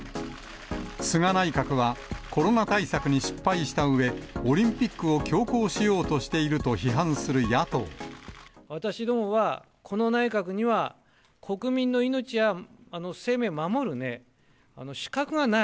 菅内閣は、コロナ対策に失敗したうえ、オリンピックを強行しようとして私どもは、この内閣には国民の命や生命を守る資格がない。